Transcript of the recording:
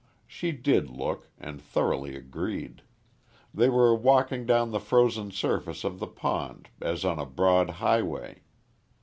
She did look, and thoroughly agreed. They were walking down the frozen surface of the pond as on a broad highway.